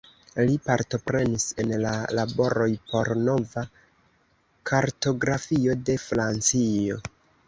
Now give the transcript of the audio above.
Li partoprenis en la laboroj por nova kartografio de Francio.